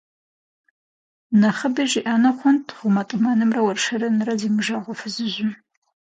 Нэхъыби жиӀэну хъунт гъумэтӀымэнрэ уэршэрынрэ зимыжагъуэ фызыжьым.